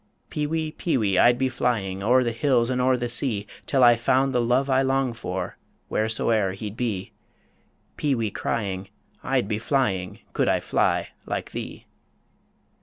Peewee, peewee, I'd be flying O'er the hills and o'er the sea, Till I found the love I long for Whereso'er he'd be Peewee crying, I'd be flying, Could I fly like thee!